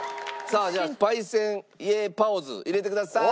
さあじゃあパオセンイェーパオズ入れてください。